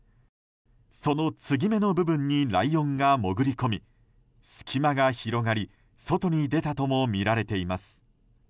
その継ぎ目の部分にライオンが潜り込み隙間が広がり、外に出たともみられています。